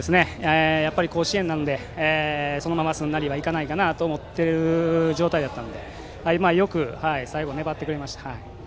甲子園なのでそのまますんなりは行かないかなと思っている状況だったのでよく最後粘ってくれました。